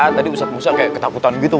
tadi ustadz musa kayak ketakutan gitu